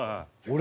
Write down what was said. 俺？